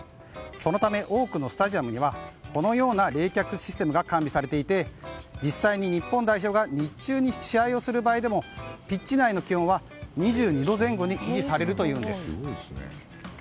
そのため多くのスタジアムにはこのような冷却システムが完備されていて実際に日本代表が日中に試合をする場合でもピッチ内の気温は２２度前後に維持されるというんです。